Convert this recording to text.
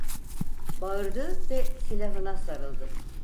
Bağırdı ve silahına sarıldı.